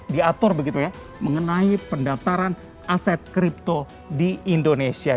diatur begitu ya mengenai pendaftaran aset kripto di indonesia